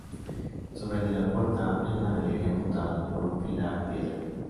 Sobre de la puerta hay una galería apuntada por un pilar de piedra.